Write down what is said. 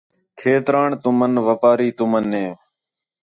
کھیتران تُمن وپاری تُمن ہے